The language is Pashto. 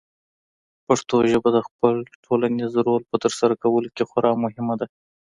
پښتو ژبه د خپل ټولنیز رول په ترسره کولو کې خورا مهمه ده.